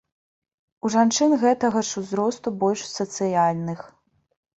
У жанчын гэтага ж узросту больш сацыяльных.